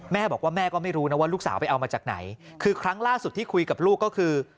แม่บอกว่าแม่ก็ไม่รู้นะว่าลูกสาวไปเอามาจากไหนคือครั้งล่าสุดที่คุยกับลูกก็คือ